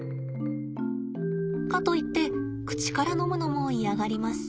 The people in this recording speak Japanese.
かと言って口からのむのも嫌がります。